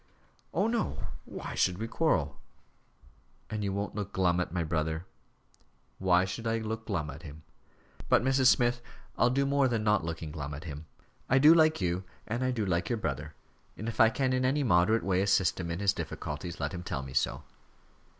"Oh, no why should we quarrel?" "And you won't look glum at my brother?" "Why should I look glum at him? But, Mrs. Smith, I'll do more than not looking glum at him. I do like you, and I do like your brother, and if I can in any moderate way assist him in his difficulties, let him tell me so."